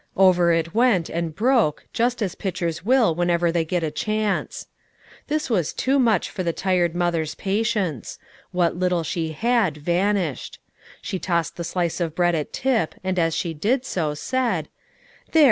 Over it went and broke, just as pitchers will whenever they get a chance. This was too much for the tired mother's patience; what little she had vanished. She tossed the slice of bread at Tip, and as she did so, said, "There!